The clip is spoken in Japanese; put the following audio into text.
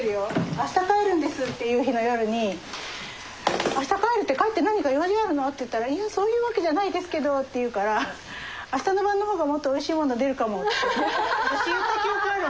明日帰るんですっていう日の夜に「明日帰るって帰って何か用事があるの？」って言ったら「いやそういう訳じゃないですけど」って言うから「明日の晩の方がもっとおいしいもの出るかも」って私言った記憶があるもん。